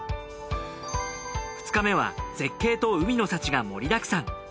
２日目は絶景と海の幸が盛りだくさん。